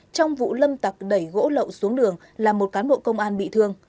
trong vụ lâm tặc đẩy gỗ lậu xuống đường làm một cán bộ công an bị thương